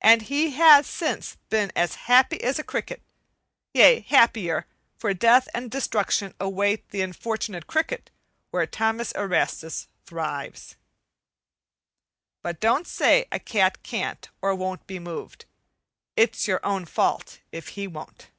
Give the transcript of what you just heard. And he has since been as happy as a cricket, yea, happier, for death and destruction await the unfortunate cricket where Thomas Erastus thrives. But don't say a cat can't or won't be moved. It's your own fault if he won't.